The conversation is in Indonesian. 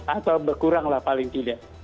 atau berkurang lah paling tidak